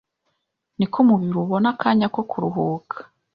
niko umubiri ubona akanya ko kuruhka